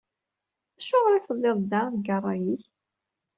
Acuɣer i telliḍ da deg ṛṛay-ik?